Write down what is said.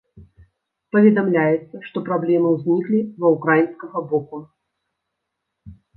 Паведамляецца, што праблемы ўзніклі ва ўкраінскага боку.